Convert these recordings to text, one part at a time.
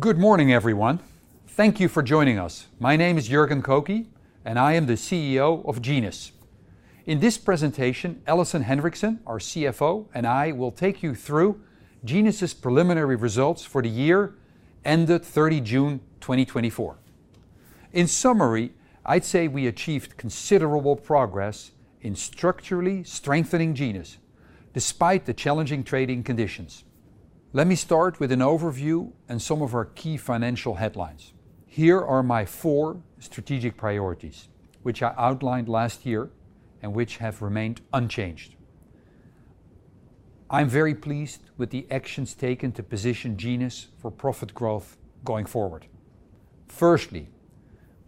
Good morning, everyone. Thank you for joining us. My name is Jorgen Kokke, and I am the CEO of Genus. In this presentation, Alison Henriksen, our CFO, and I will take you through Genus's preliminary results for the year ended thirty June, twenty twenty-four. In summary, I'd say we achieved considerable progress in structurally strengthening Genus, despite the challenging trading conditions. Let me start with an overview and some of our key financial headlines. Here are my four strategic priorities, which I outlined last year and which have remained unchanged. I'm very pleased with the actions taken to position Genus for profit growth going forward. Firstly,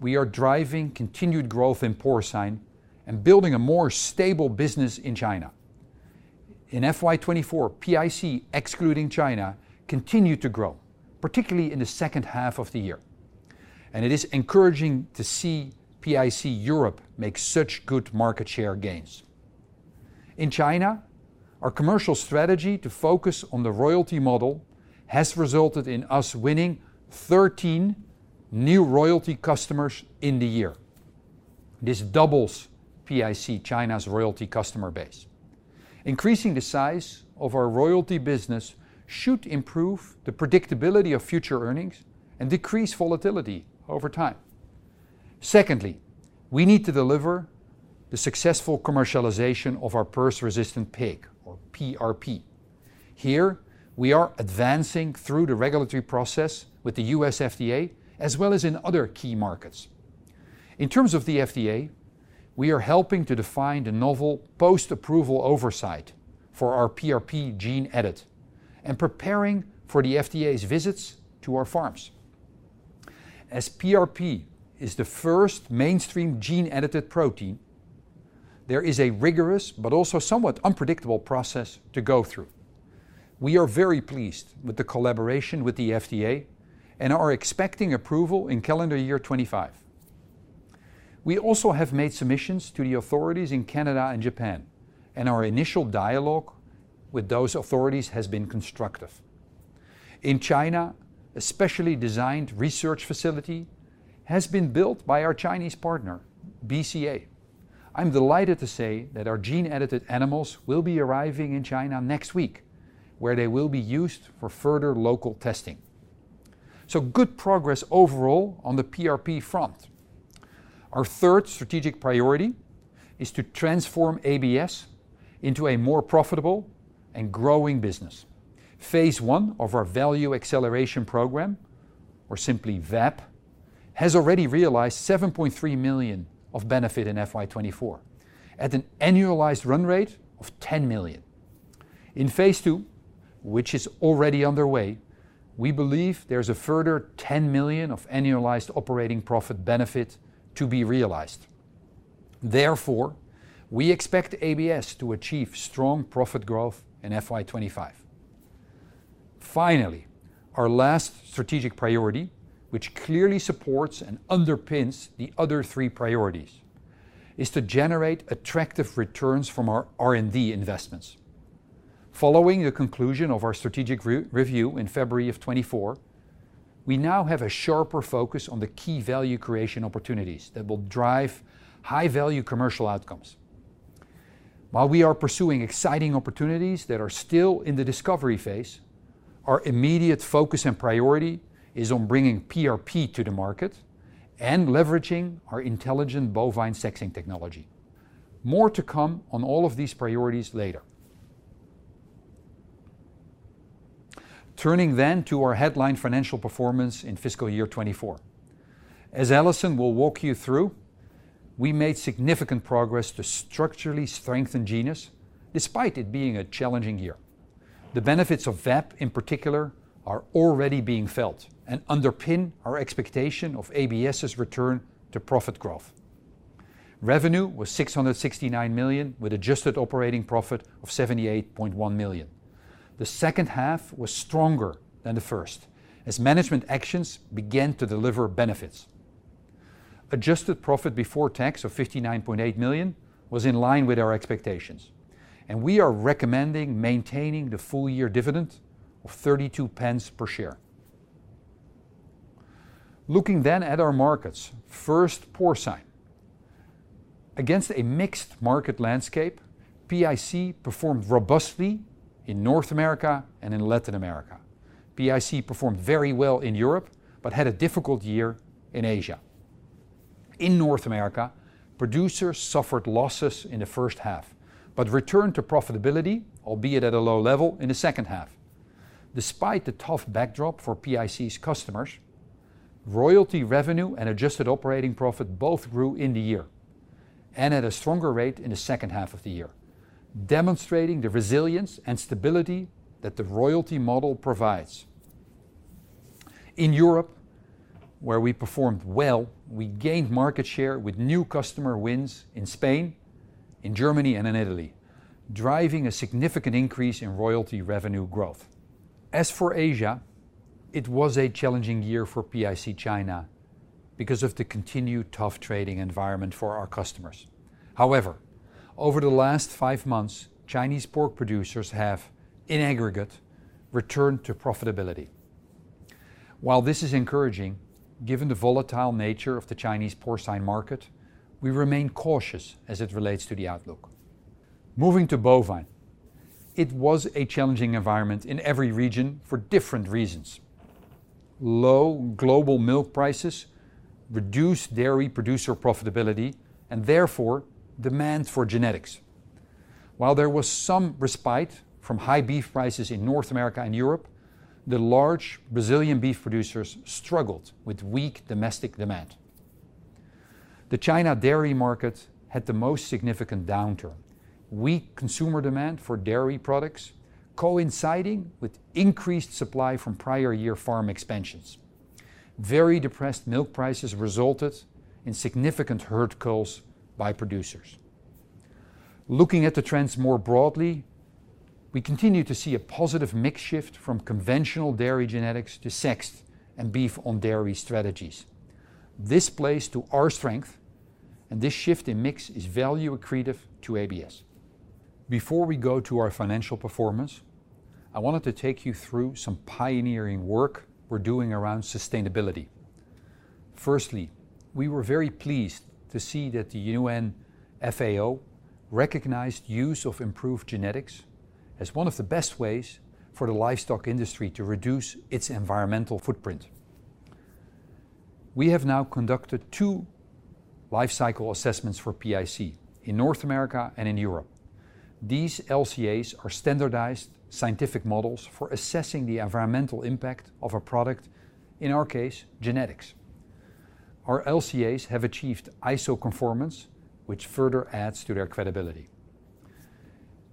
we are driving continued growth in porcine and building a more stable business in China. In FY twenty-four, PIC, excluding China, continued to grow, particularly in the second half of the year, and it is encouraging to see PIC Europe make such good market share gains. In China, our commercial strategy to focus on the royalty model has resulted in us winning 13 new royalty customers in the year. This doubles PIC China's royalty customer base. Increasing the size of our royalty business should improve the predictability of future earnings and decrease volatility over time. Secondly, we need to deliver the successful commercialization of our PRRS-resistant pig, or PRP. Here, we are advancing through the regulatory process with the U.S. FDA, as well as in other key markets. In terms of the FDA, we are helping to define the novel post-approval oversight for our PRP gene edit and preparing for the FDA's visits to our farms. As PRP is the first mainstream gene-edited protein, there is a rigorous, but also somewhat unpredictable, process to go through. We are very pleased with the collaboration with the FDA and are expecting approval in calendar year 2025. We also have made submissions to the authorities in Canada and Japan, and our initial dialogue with those authorities has been constructive. In China, a specially designed research facility has been built by our Chinese partner, BCA. I'm delighted to say that our gene-edited animals will be arriving in China next week, where they will be used for further local testing. So good progress overall on the PRP front. Our third strategic priority is to transform ABS into a more profitable and growing business. Phase one of our Value Acceleration Program, or simply VAP, has already realized 7.3 million of benefit in FY 2024, at an annualized run rate of 10 million. In phase two, which is already underway, we believe there's a further 10 million of annualized operating profit benefit to be realized. Therefore, we expect ABS to achieve strong profit growth in FY 2025. Finally, our last strategic priority, which clearly supports and underpins the other three priorities, is to generate attractive returns from our R&D investments. Following the conclusion of our strategic re-review in February 2024, we now have a sharper focus on the key value creation opportunities that will drive high-value commercial outcomes. While we are pursuing exciting opportunities that are still in the discovery phase, our immediate focus and priority is on bringing PRP to the market and leveraging our Intelligen bovine sexing technology. More to come on all of these priorities later. Turning then to our headline financial performance in fiscal year 2024. As Alison will walk you through, we made significant progress to structurally strengthen Genus, despite it being a challenging year. The benefits of VAP, in particular, are already being felt and underpin our expectation of ABS's return to profit growth. Revenue was 669 million, with adjusted operating profit of 78.1 million. The second half was stronger than the first, as management actions began to deliver benefits. Adjusted profit before tax of 59.8 million was in line with our expectations, and we are recommending maintaining the full-year dividend of 0.32 per share. Looking then at our markets. First, porcine. Against a mixed market landscape, PIC performed robustly in North America and in Latin America. PIC performed very well in Europe but had a difficult year in Asia. In North America, producers suffered losses in the first half but returned to profitability, albeit at a low level, in the second half. Despite the tough backdrop for PIC's customers, royalty revenue and adjusted operating profit both grew in the year and at a stronger rate in the second half of the year, demonstrating the resilience and stability that the royalty model provides. In Europe, where we performed well, we gained market share with new customer wins in Spain, in Germany, and in Italy, driving a significant increase in royalty revenue growth. As for Asia, it was a challenging year for PIC China... because of the continued tough trading environment for our customers. However, over the last five months, Chinese pork producers have, in aggregate, returned to profitability. While this is encouraging, given the volatile nature of the Chinese porcine market, we remain cautious as it relates to the outlook. Moving to bovine, it was a challenging environment in every region for different reasons. Low global milk prices reduced dairy producer profitability, and therefore, demand for genetics. While there was some respite from high beef prices in North America and Europe, the large Brazilian beef producers struggled with weak domestic demand. The China dairy market had the most significant downturn. Weak consumer demand for dairy products coinciding with increased supply from prior year farm expansions. Very depressed milk prices resulted in significant herd culls by producers. Looking at the trends more broadly, we continue to see a positive mix shift from conventional dairy genetics to sexed and beef-on-dairy strategies. This plays to our strength, and this shift in mix is value accretive to ABS. Before we go to our financial performance, I wanted to take you through some pioneering work we're doing around sustainability. Firstly, we were very pleased to see that the UN FAO recognized use of improved genetics as one of the best ways for the livestock industry to reduce its environmental footprint. We have now conducted two life cycle assessments for PIC, in North America and in Europe. These LCAs are standardized scientific models for assessing the environmental impact of a product, in our case, genetics. Our LCAs have achieved ISO conformance, which further adds to their credibility.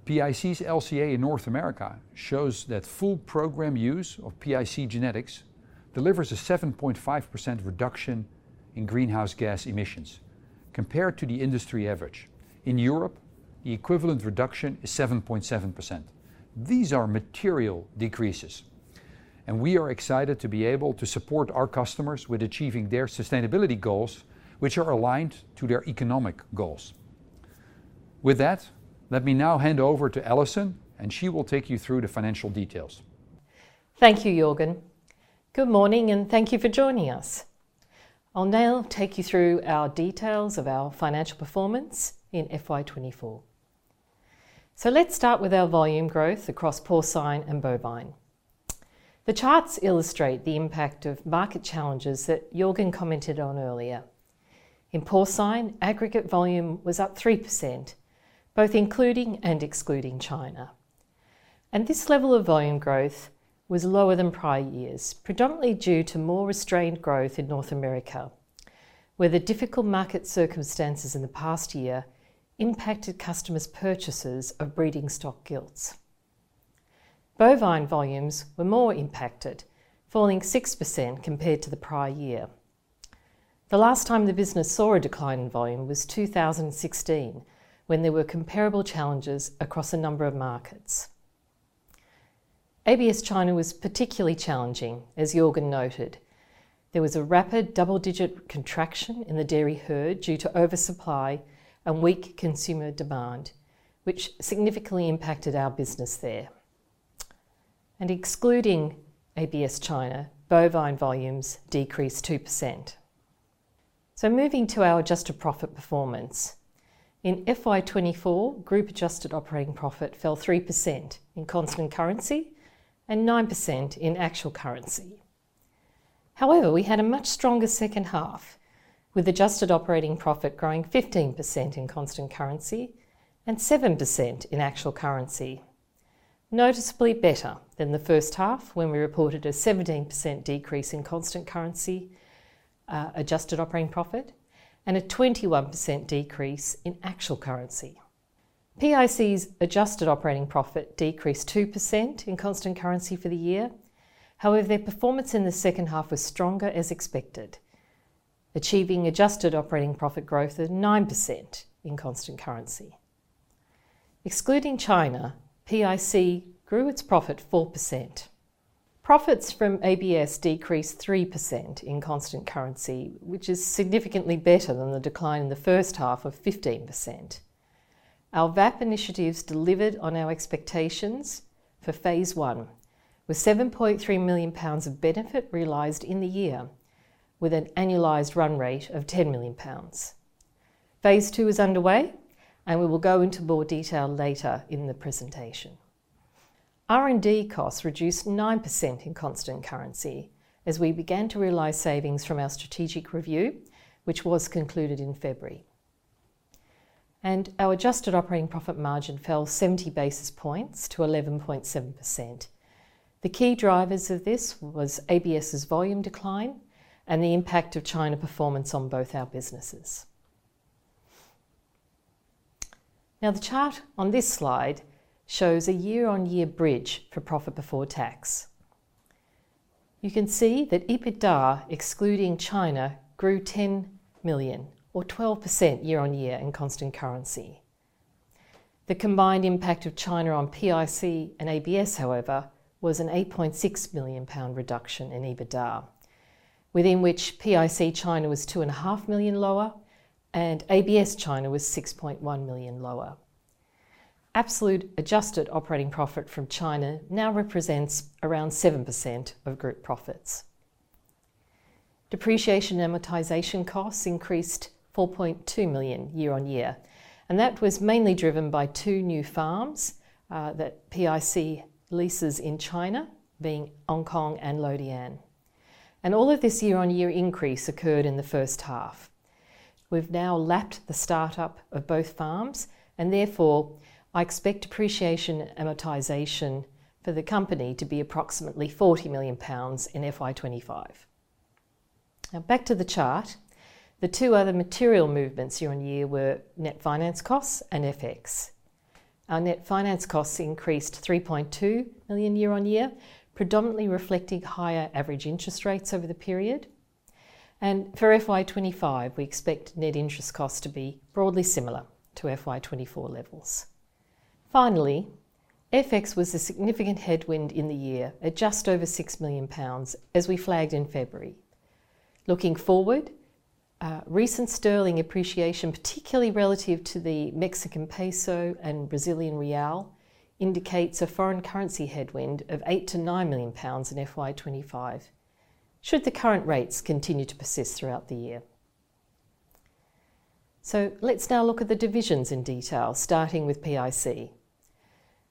PIC's LCA in North America shows that full program use of PIC genetics delivers a 7.5% reduction in greenhouse gas emissions compared to the industry average. In Europe, the equivalent reduction is 7.7%. These are material decreases, and we are excited to be able to support our customers with achieving their sustainability goals, which are aligned to their economic goals. With that, let me now hand over to Alison, and she will take you through the financial details. Thank you, Jorgen. Good morning, and thank you for joining us. I'll now take you through our details of our financial performance in FY 2024. Let's start with our volume growth across porcine and bovine. The charts illustrate the impact of market challenges that Jorgen commented on earlier. In porcine, aggregate volume was up 3%, both including and excluding China, and this level of volume growth was lower than prior years, predominantly due to more restrained growth in North America, where the difficult market circumstances in the past year impacted customers' purchases of breeding stock gilts. Bovine volumes were more impacted, falling 6% compared to the prior year. The last time the business saw a decline in volume was 2016, when there were comparable challenges across a number of markets. ABS China was particularly challenging, as Jorgen noted. There was a rapid double-digit contraction in the dairy herd due to oversupply and weak consumer demand, which significantly impacted our business there. Excluding ABS China, bovine volumes decreased 2%. Moving to our adjusted profit performance. In FY 2024, group adjusted operating profit fell 3% in constant currency and 9% in actual currency. However, we had a much stronger second half, with adjusted operating profit growing 15% in constant currency and 7% in actual currency, noticeably better than the first half, when we reported a 17% decrease in constant currency, adjusted operating profit and a 21% decrease in actual currency. PIC's adjusted operating profit decreased 2% in constant currency for the year. However, their performance in the second half was stronger as expected, achieving adjusted operating profit growth of 9% in constant currency. Excluding China, PIC grew its profit 4%. Profits from ABS decreased 3% in constant currency, which is significantly better than the decline in the first half of 15%. Our VAP initiatives delivered on our expectations for phase one, with £7.3 million of benefit realized in the year, with an annualized run rate of £10 million. Phase two is underway, and we will go into more detail later in the presentation. R&D costs reduced 9% in constant currency as we began to realize savings from our strategic review, which was concluded in February. And our adjusted operating profit margin fell 70 basis points to 11.7%. The key drivers of this was ABS's volume decline and the impact of China performance on both our businesses. Now, the chart on this slide shows a year-on-year bridge for profit before tax. You can see that EBITDA, excluding China, grew 10 million, or 12% year-on-year in constant currency. The combined impact of China on PIC and ABS, however, was a 8.6 million pound reduction in EBITDA, within which PIC China was 2.5 million lower and ABS China was 6.1 million lower. ABS's adjusted operating profit from China now represents around 7% of group profits. Depreciation amortization costs increased 4.2 million year-on-year, and that was mainly driven by two new farms that PIC leases in China, being HangKong and Luotian. All of this year-on-year increase occurred in the first half. We've now lapped the start-up of both farms, and therefore, I expect depreciation amortization for the company to be approximately 40 million pounds in FY 2025. Now, back to the chart. The two other material movements year-on-year were net finance costs and FX. Our net finance costs increased 3.2 million year-on-year, predominantly reflecting higher average interest rates over the period. For FY 2025, we expect net interest costs to be broadly similar to FY 2024 levels. Finally, FX was a significant headwind in the year at just over 6 million pounds, as we flagged in February. Looking forward, recent sterling appreciation, particularly relative to the Mexican peso and Brazilian real, indicates a foreign currency headwind of 8-9 million pounds in FY 2025, should the current rates continue to persist throughout the year. Let's now look at the divisions in detail, starting with PIC.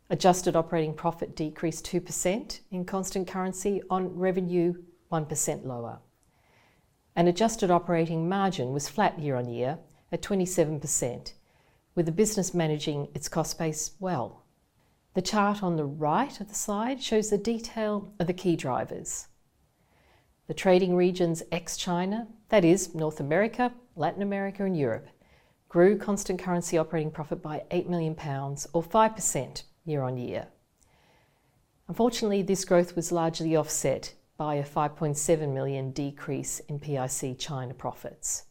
Adjusted operating profit decreased 2% in constant currency on revenue 1% lower. An adjusted operating margin was flat year-on-year at 27%, with the business managing its cost base well. The chart on the right of the slide shows the detail of the key drivers. The trading regions ex-China, that is North America, Latin America, and Europe, grew constant currency operating profit by 8 million pounds or 5% year-on-year. Unfortunately, this growth was largely offset by a 5.7 million decrease in PIC China profits.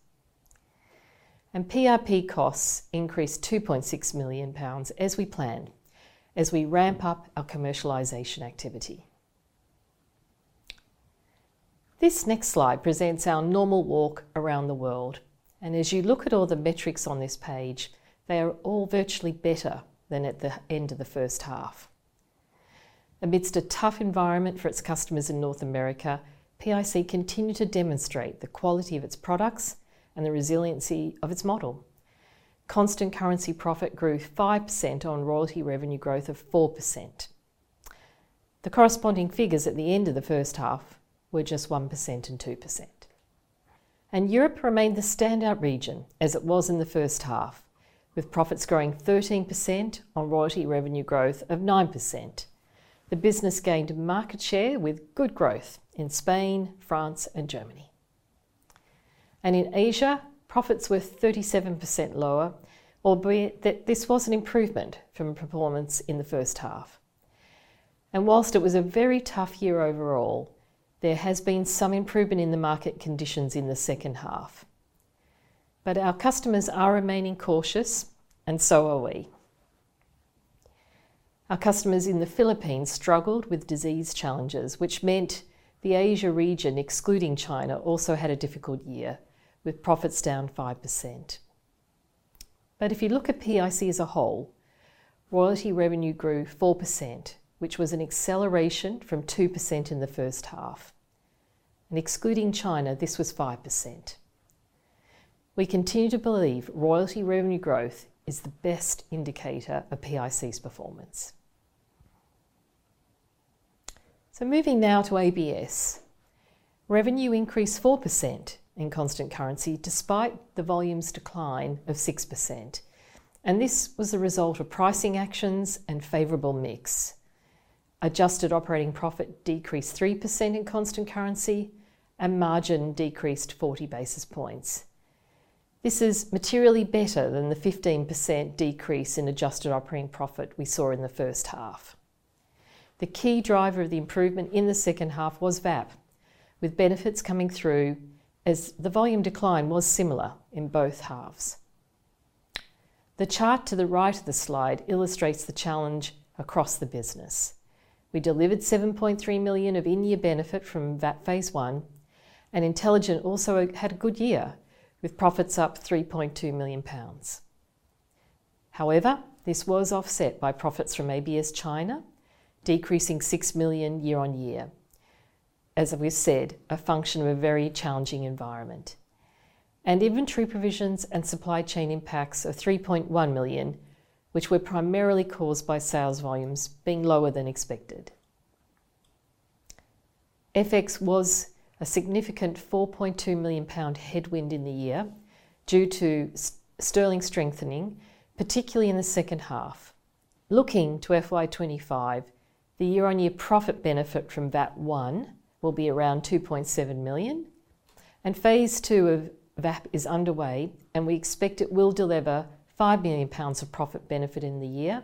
And PRP costs increased 2.6 million pounds as we planned, as we ramp up our commercialization activity. This next slide presents our normal walk around the world, and as you look at all the metrics on this page, they are all virtually better than at the end of the first half. Amidst a tough environment for its customers in North America, PIC continued to demonstrate the quality of its products and the resiliency of its model. Constant currency profit grew 5% on royalty revenue growth of 4%. The corresponding figures at the end of the first half were just 1% and 2%. Europe remained the standout region as it was in the first half, with profits growing 13% on royalty revenue growth of 9%. The business gained market share with good growth in Spain, France, and Germany. In Asia, profits were 37% lower, albeit that this was an improvement from performance in the first half. While it was a very tough year overall, there has been some improvement in the market conditions in the second half. Our customers are remaining cautious, and so are we. Our customers in the Philippines struggled with disease challenges, which meant the Asia region, excluding China, also had a difficult year, with profits down 5%. But if you look at PIC as a whole, royalty revenue grew 4%, which was an acceleration from 2% in the first half. And excluding China, this was 5%. We continue to believe royalty revenue growth is the best indicator of PIC's performance. So moving now to ABS. Revenue increased 4% in constant currency, despite the volumes decline of 6%, and this was a result of pricing actions and favorable mix. Adjusted operating profit decreased 3% in constant currency, and margin decreased 40 basis points. This is materially better than the 15% decrease in adjusted operating profit we saw in the first half. The key driver of the improvement in the second half was VAP, with benefits coming through as the volume decline was similar in both halves. The chart to the right of the slide illustrates the challenge across the business. We delivered 7.3 million of in-year benefit from VAP Phase One, and Intelligen also had a good year, with profits up 3.2 million pounds. However, this was offset by profits from ABS China, decreasing 6 million year-on-year. As we've said, a function of a very challenging environment, and inventory provisions and supply chain impacts are 3.1 million, which were primarily caused by sales volumes being lower than expected. FX was a significant 4.2 million pound headwind in the year due to sterling strengthening, particularly in the second half. Looking to FY 2025, the year-on-year profit benefit from VAP One will be around 2.7 million, and Phase Two of VAP is underway, and we expect it will deliver 5 million pounds of profit benefit in the year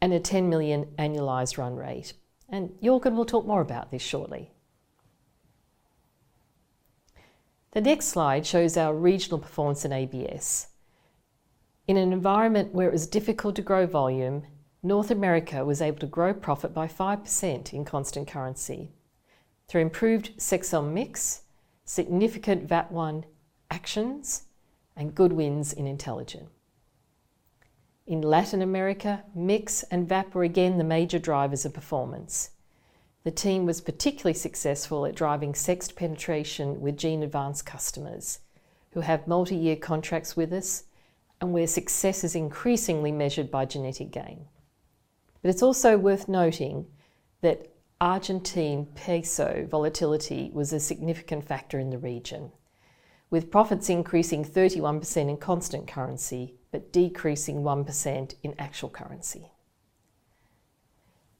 and a 10 million annualized run rate. Jörgen will talk more about this shortly. The next slide shows our regional performance in ABS. In an environment where it was difficult to grow volume, North America was able to grow profit by 5% in constant currency through improved Sexcel mix, significant VAP One actions, and good wins in Intelligen. In Latin America, mix and VAP were again the major drivers of performance. The team was particularly successful at driving sexed penetration with Gene Advance customers, who have multi-year contracts with us and where success is increasingly measured by genetic gain. But it's also worth noting that Argentine peso volatility was a significant factor in the region, with profits increasing 31% in constant currency, but decreasing 1% in actual currency.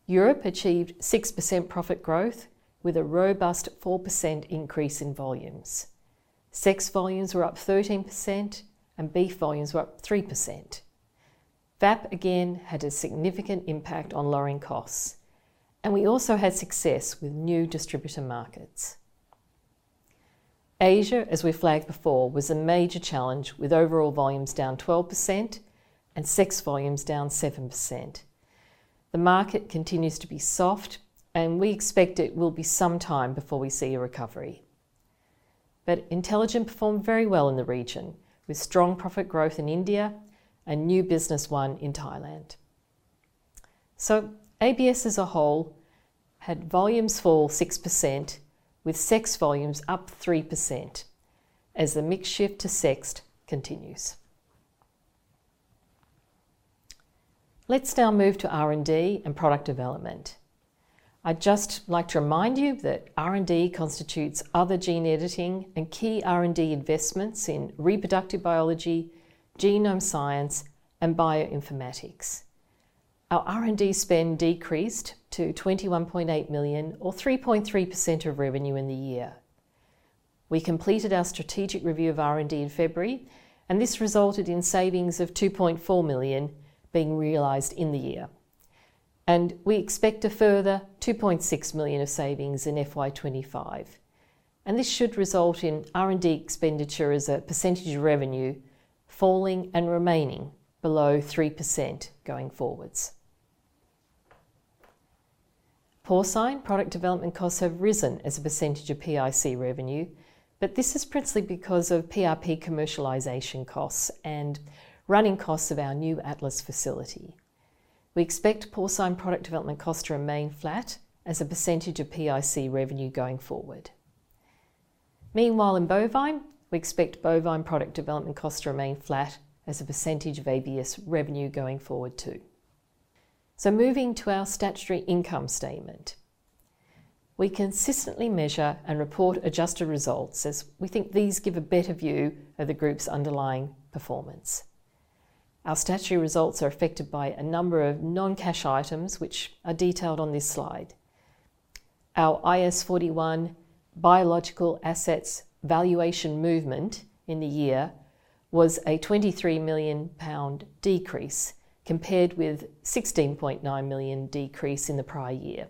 Europe achieved 6% profit growth with a robust 4% increase in volumes. Sex volumes were up 13%, and beef volumes were up 3%. VAP again had a significant impact on lowering costs, and we also had success with new distributor markets. Asia, as we flagged before, was a major challenge, with overall volumes down 12% and sex volumes down 7%. The market continues to be soft, and we expect it will be some time before we see a recovery. But Intelligen performed very well in the region, with strong profit growth in India and new business won in Thailand. So ABS as a whole had volumes fall 6%, with sex volumes up 3% as the mix shift to sexed continues. Let's now move to R&D and product development. I'd just like to remind you that R&D constitutes other gene editing and key R&D investments in reproductive biology, genome science, and bioinformatics. Our R&D spend decreased to 21.8 million or 3.3% of revenue in the year. We completed our strategic review of R&D in February, and this resulted in savings of 2.4 million being realized in the year, and we expect a further 2.6 million of savings in FY 2025, and this should result in R&D expenditure as a percentage of revenue falling and remaining below 3% going forwards. Porcine product development costs have risen as a percentage of PIC revenue, but this is principally because of PRP commercialization costs and running costs of our new Atlas facility. We expect porcine product development costs to remain flat as a percentage of PIC revenue going forward. Meanwhile, in bovine, we expect bovine product development costs to remain flat as a percentage of ABS revenue going forward, too. So moving to our statutory income statement. We consistently measure and report adjusted results, as we think these give a better view of the group's underlying performance. Our statutory results are affected by a number of non-cash items, which are detailed on this slide. Our IAS 41 biological assets valuation movement in the year was a 23 million pound decrease, compared with 16.9 million decrease in the prior year.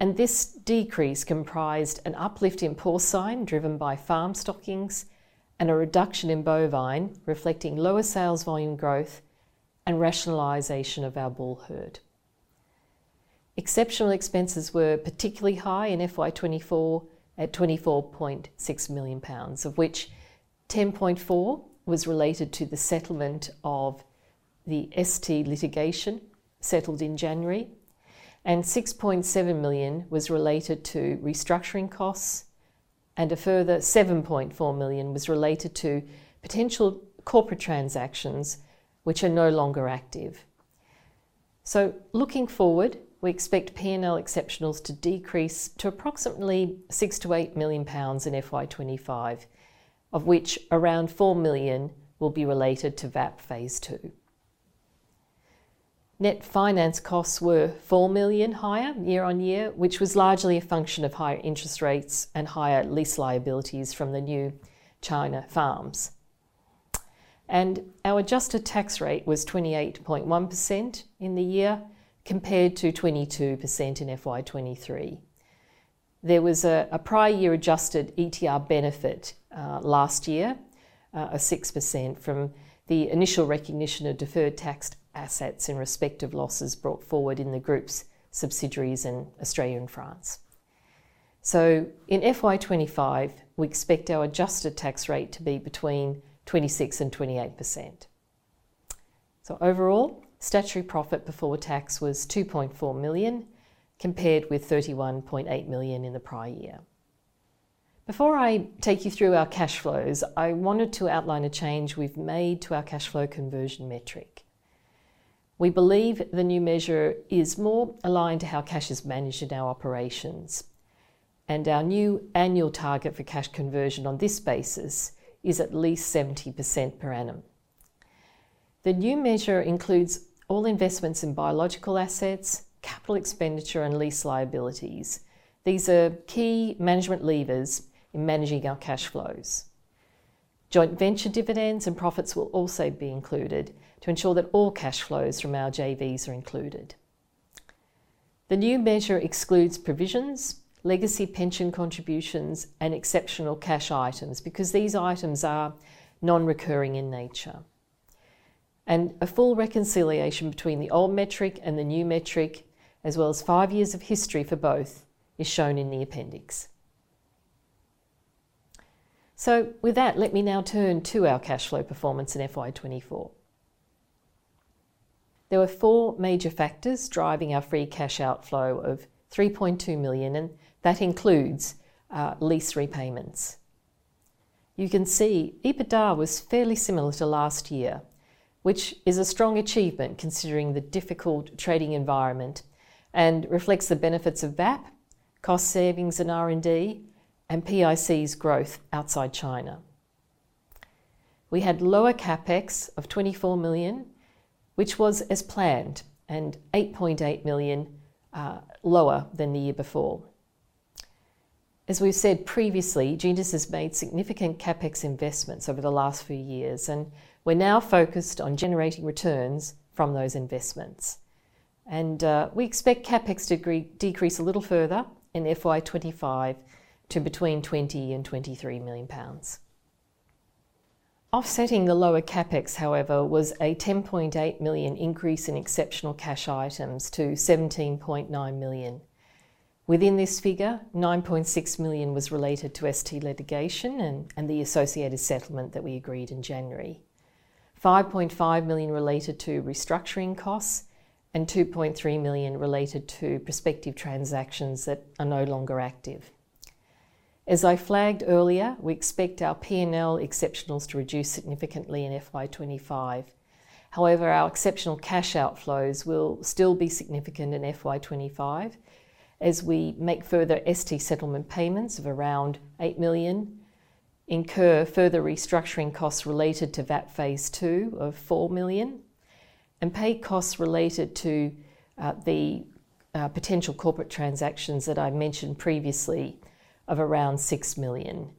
This decrease comprised an uplift in porcine, driven by farm stockings, and a reduction in bovine, reflecting lower sales volume growth and rationalization of our bull herd. Exceptional expenses were particularly high in FY 2024, at 24.6 million pounds, of which 10.4 million was related to the settlement of the ST litigation settled in January, and 6.7 million was related to restructuring costs, and a further 7.4 million was related to potential corporate transactions which are no longer active. Looking forward, we expect P&L exceptionals to decrease to approximately 6-8 million pounds in FY 2025, of which around 4 million will be related to VAP phase two. Net finance costs were 4 million higher year on year, which was largely a function of higher interest rates and higher lease liabilities from the new China farms. Our adjusted tax rate was 28.1% in the year, compared to 22% in FY 2023. There was a prior year-adjusted ETR benefit last year of 6% from the initial recognition of deferred tax assets in respect of losses brought forward in the group's subsidiaries in Australia and France. In FY 2025, we expect our adjusted tax rate to be between 26% and 28%. Overall, statutory profit before tax was £2.4 million, compared with £31.8 million in the prior year. Before I take you through our cash flows, I wanted to outline a change we've made to our cash flow conversion metric. We believe the new measure is more aligned to how cash is managed in our operations, and our new annual target for cash conversion on this basis is at least 70% per annum. The new measure includes all investments in biological assets, capital expenditure, and lease liabilities. These are key management levers in managing our cash flows. Joint venture dividends and profits will also be included to ensure that all cash flows from our JVs are included. The new measure excludes provisions, legacy pension contributions, and exceptional cash items, because these items are non-recurring in nature, and a full reconciliation between the old metric and the new metric, as well as five years of history for both, is shown in the appendix. So with that, let me now turn to our cash flow performance in FY 2024. There were four major factors driving our free cash outflow of 3.2 million, and that includes lease repayments. You can see EBITDA was fairly similar to last year, which is a strong achievement considering the difficult trading environment, and reflects the benefits of VAP, cost savings in R&D, and PIC's growth outside China. We had lower CapEx of 24 million, which was as planned, and 8.8 million lower than the year before. As we've said previously, Genus has made significant CapEx investments over the last few years, and we're now focused on generating returns from those investments. We expect CapEx to decrease a little further in FY 2025 to between 20 million and 23 million pounds. Offsetting the lower CapEx, however, was a 10.8 million increase in exceptional cash items to 17.9 million. Within this figure, 9.6 million was related to ST litigation and the associated settlement that we agreed in January. 5.5 million related to restructuring costs, and 2.3 million related to prospective transactions that are no longer active. As I flagged earlier, we expect our P&L exceptionals to reduce significantly in FY 2025. However, our exceptional cash outflows will still be significant in FY 2025 as we make further ST settlement payments of around 8 million, incur further restructuring costs related to VAP phase two of 4 million, and pay costs related to the potential corporate transactions that I mentioned previously of around 6 million,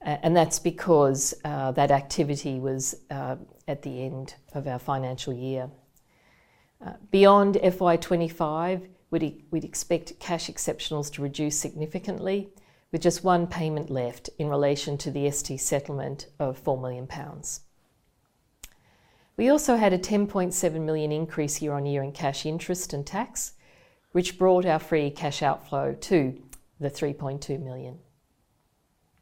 and that's because that activity was at the end of our financial year. Beyond FY 2025, we'd expect cash exceptionals to reduce significantly, with just one payment left in relation to the ST settlement of 4 million pounds. We also had a 10.7 million increase year on year in cash interest and tax, which brought our free cash outflow to 3.2 million.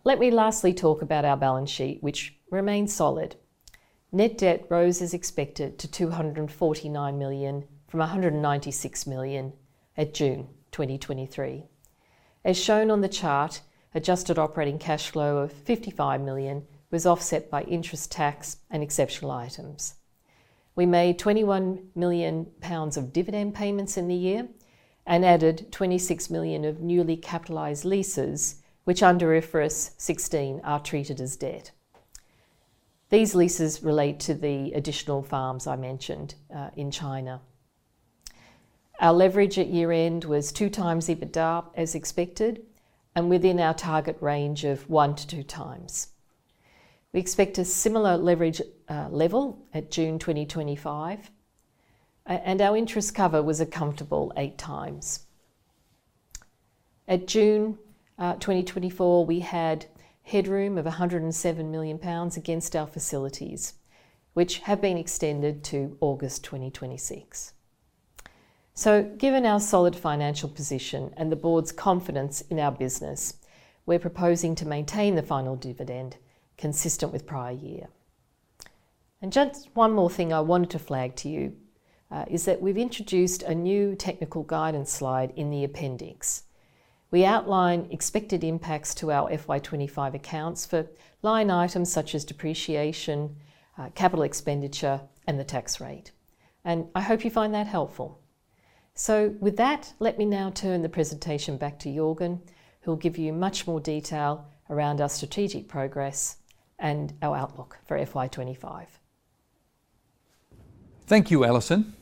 Let me lastly talk about our balance sheet, which remains solid. Net debt rose as expected to 249 million, from 196 million at June 2023. As shown on the chart, adjusted operating cash flow of 55 million was offset by interest tax and exceptional items. We made 21 million pounds of dividend payments in the year and added 26 million of newly capitalized leases, which under IFRS 16 are treated as debt. These leases relate to the additional farms I mentioned in China. Our leverage at year-end was 2 times EBITDA as expected, and within our target range of 1-2 times. We expect a similar leverage level at June 2025. And our interest cover was a comfortable eight times. At June 2024, we had headroom of 107 million pounds against our facilities, which have been extended to August 2026, so given our solid financial position and the board's confidence in our business, we're proposing to maintain the final dividend consistent with prior year, and just one more thing I wanted to flag to you is that we've introduced a new technical guidance slide in the appendix. We outline expected impacts to our FY 2025 accounts for line items such as depreciation, capital expenditure, and the tax rate, and I hope you find that helpful, so with that, let me now turn the presentation back to Jorgen, who will give you much more detail around our strategic progress and our outlook for FY 2025. Thank you, Alison.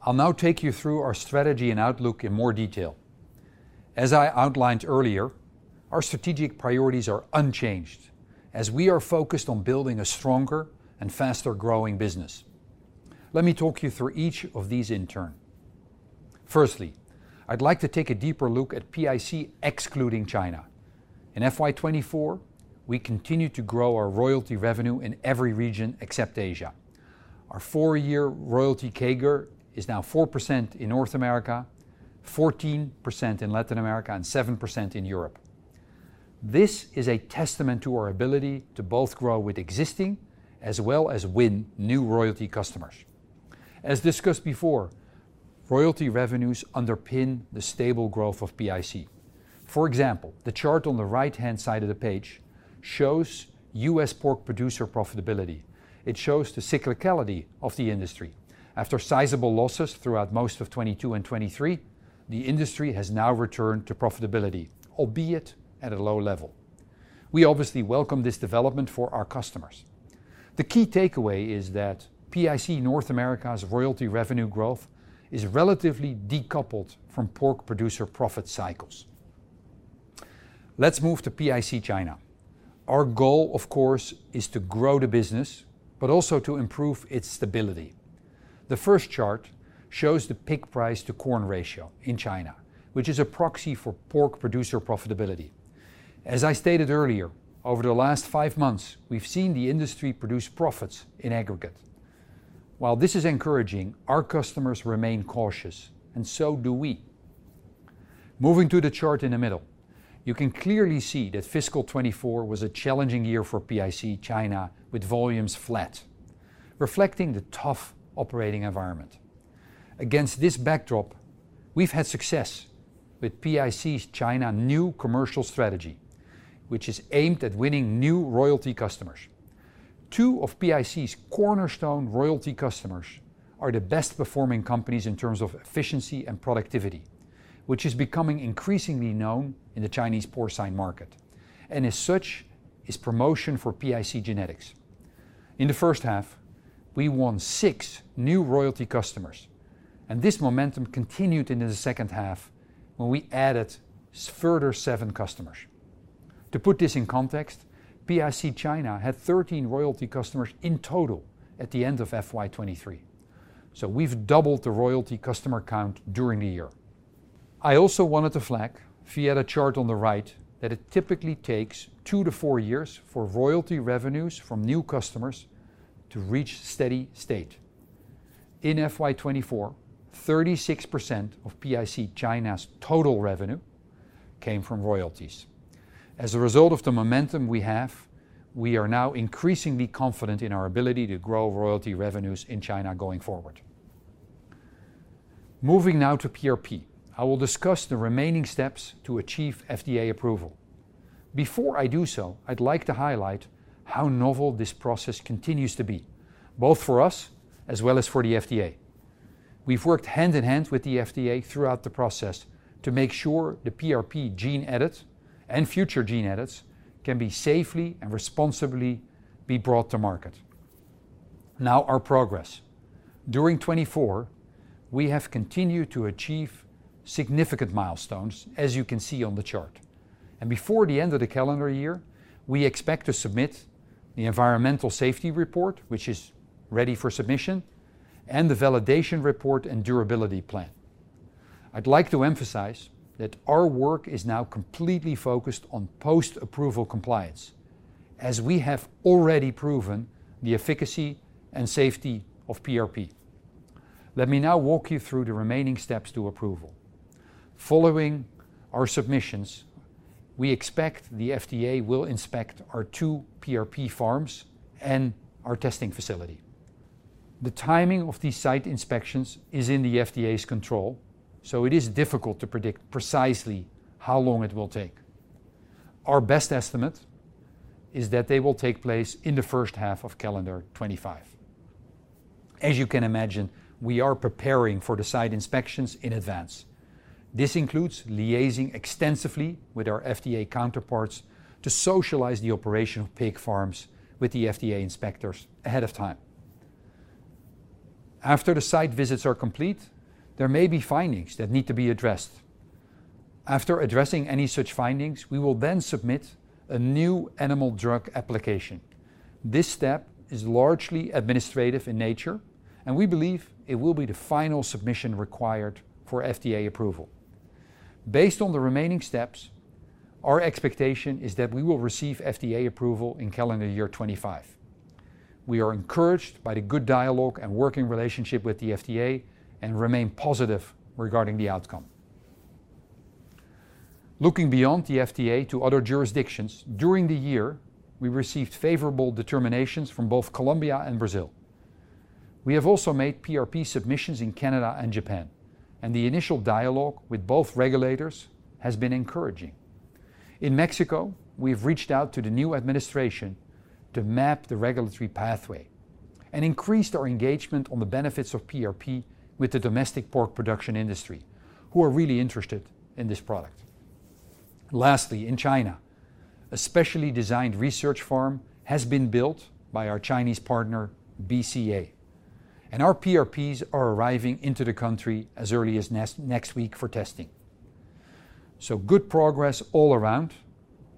I'll now take you through our strategy and outlook in more detail. As I outlined earlier, our strategic priorities are unchanged, as we are focused on building a stronger and faster-growing business. Let me talk you through each of these in turn. Firstly, I'd like to take a deeper look at PIC, excluding China. In FY 2024, we continued to grow our royalty revenue in every region except Asia. Our four-year royalty CAGR is now 4% in North America, 14% in Latin America, and 7% in Europe. This is a testament to our ability to both grow with existing, as well as win new royalty customers. As discussed before, royalty revenues underpin the stable growth of PIC. For example, the chart on the right-hand side of the page shows U.S. pork producer profitability. It shows the cyclicality of the industry. After sizable losses throughout most of 2022 and 2023, the industry has now returned to profitability, albeit at a low level. We obviously welcome this development for our customers. The key takeaway is that PIC North America's royalty revenue growth is relatively decoupled from pork producer profit cycles. Let's move to PIC China. Our goal, of course, is to grow the business, but also to improve its stability. The first chart shows the pig price to corn ratio in China, which is a proxy for pork producer profitability. As I stated earlier, over the last five months, we've seen the industry produce profits in aggregate. While this is encouraging, our customers remain cautious, and so do we. Moving to the chart in the middle, you can clearly see that fiscal 2024 was a challenging year for PIC China, with volumes flat, reflecting the tough operating environment. Against this backdrop, we've had success with PIC's China new commercial strategy, which is aimed at winning new royalty customers. Two of PIC's cornerstone royalty customers are the best performing companies in terms of efficiency and productivity, which is becoming increasingly known in the Chinese porcine market, and as such, is promotion for PIC genetics. In the first half, we won six new royalty customers, and this momentum continued into the second half, when we added further seven customers. To put this in context, PIC China had 13 royalty customers in total at the end of FY 2023. So we've doubled the royalty customer count during the year. I also wanted to flag, via the chart on the right, that it typically takes two to four years for royalty revenues from new customers to reach steady state. In FY 2024, 36% of PIC China's total revenue came from royalties. As a result of the momentum we have, we are now increasingly confident in our ability to grow royalty revenues in China going forward. Moving now to PRP. I will discuss the remaining steps to achieve FDA approval. Before I do so, I'd like to highlight how novel this process continues to be, both for us as well as for the FDA. We've worked hand in hand with the FDA throughout the process to make sure the PRP gene edits and future gene edits can be safely and responsibly be brought to market. Now, our progress. During 2024, we have continued to achieve significant milestones, as you can see on the chart. And before the end of the calendar year, we expect to submit the environmental safety report, which is ready for submission, and the validation report and durability plan. I'd like to emphasize that our work is now completely focused on post-approval compliance, as we have already proven the efficacy and safety of PRP. Let me now walk you through the remaining steps to approval. Following our submissions, we expect the FDA will inspect our two PRP farms and our testing facility. The timing of these site inspections is in the FDA's control, so it is difficult to predict precisely how long it will take. Our best estimate is that they will take place in the first half of calendar 2025. As you can imagine, we are preparing for the site inspections in advance. This includes liaising extensively with our FDA counterparts to socialize the operation of pig farms with the FDA inspectors ahead of time. After the site visits are complete, there may be findings that need to be addressed. After addressing any such findings, we will then submit a new animal drug application. This step is largely administrative in nature, and we believe it will be the final submission required for FDA approval. Based on the remaining steps, our expectation is that we will receive FDA approval in calendar year 2025. We are encouraged by the good dialogue and working relationship with the FDA and remain positive regarding the outcome. Looking beyond the FDA to other jurisdictions, during the year, we received favorable determinations from both Colombia and Brazil. We have also made PRP submissions in Canada and Japan, and the initial dialogue with both regulators has been encouraging. In Mexico, we have reached out to the new administration to map the regulatory pathway and increased our engagement on the benefits of PRP with the domestic pork production industry, who are really interested in this product. Lastly, in China, a specially designed research farm has been built by our Chinese partner, BCA, and our PRPs are arriving into the country as early as next, next week for testing, so good progress all around,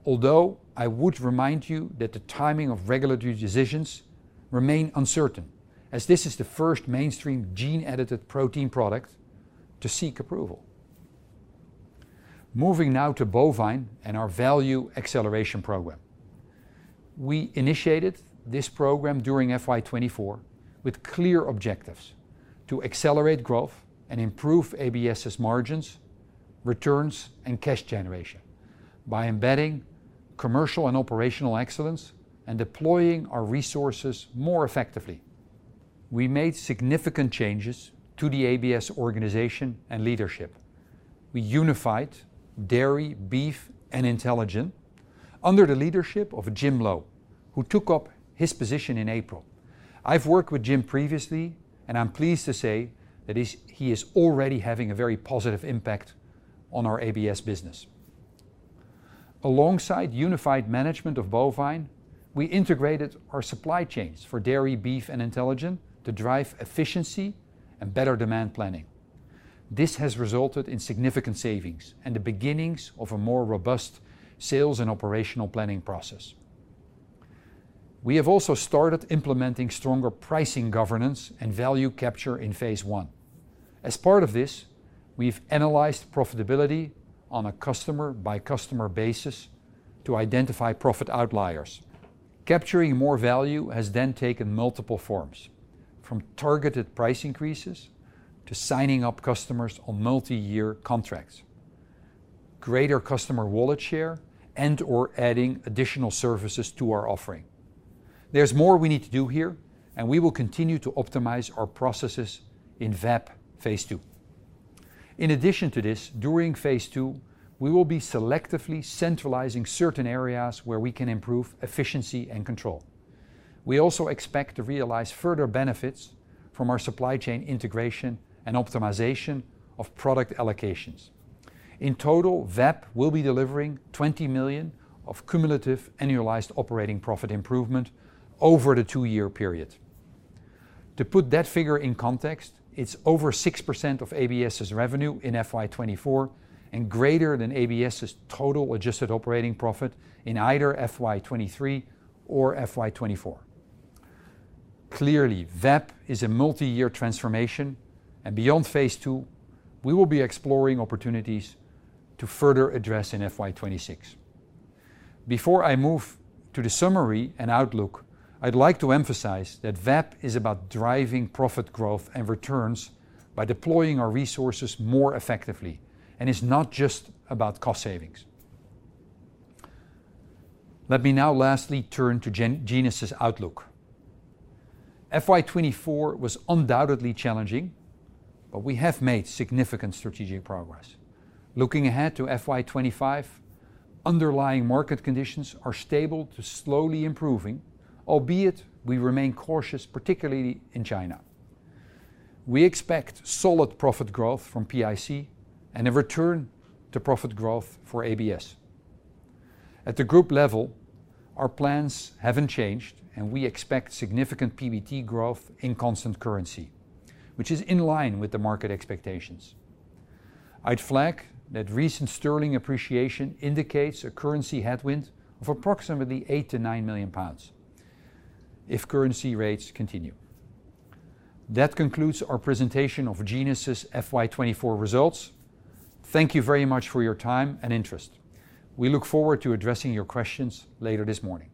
although I would remind you that the timing of regulatory decisions remain uncertain, as this is the first mainstream gene-edited protein product to seek approval. Moving now to bovine and our Value Acceleration Program. We initiated this program during FY 2024 with clear objectives: to accelerate growth and improve ABS's margins, returns, and cash generation by embedding commercial and operational excellence and deploying our resources more effectively. We made significant changes to the ABS organization and leadership. We unified dairy, beef, and Intelligen under the leadership of Jim Lowe, who took up his position in April. I've worked with Jim previously, and I'm pleased to say that he is already having a very positive impact on our ABS business. Alongside unified management of bovine, we integrated our supply chains for dairy, beef, and Intelligen to drive efficiency and better demand planning. This has resulted in significant savings and the beginnings of a more robust sales and operational planning process. We have also started implementing stronger pricing governance and value capture in phase one. As part of this, we've analyzed profitability on a customer-by-customer basis to identify profit outliers. Capturing more value has then taken multiple forms, from targeted price increases to signing up customers on multi-year contracts, greater customer wallet share, and/or adding additional services to our offering. There's more we need to do here, and we will continue to optimize our processes in VAP phase two. In addition to this, during phase two, we will be selectively centralizing certain areas where we can improve efficiency and control. We also expect to realize further benefits from our supply chain integration and optimization of product allocations. In total, VAP will be delivering £20 million of cumulative annualized operating profit improvement over the two-year period. To put that figure in context, it's over 6% of ABS's revenue in FY 2024 and greater than ABS's total adjusted operating profit in either FY 2023 or FY 2024. Clearly, VAP is a multi-year transformation, and beyond phase two, we will be exploring opportunities to further address in FY twenty-six. Before I move to the summary and outlook, I'd like to emphasize that VAP is about driving profit growth and returns by deploying our resources more effectively, and it's not just about cost savings. Let me now lastly turn to Genus's outlook. FY twenty-four was undoubtedly challenging, but we have made significant strategic progress. Looking ahead to FY twenty-five, underlying market conditions are stable to slowly improving, albeit we remain cautious, particularly in China. We expect solid profit growth from PIC and a return to profit growth for ABS. At the group level, our plans haven't changed, and we expect significant PBT growth in constant currency, which is in line with the market expectations. I'd flag that recent sterling appreciation indicates a currency headwind of approximately 8 million-9 million pounds if currency rates continue. That concludes our presentation of Genus's FY twenty-four results. Thank you very much for your time and interest. We look forward to addressing your questions later this morning.